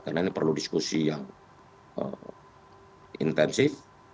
karena ini perlu diskusi yang intensif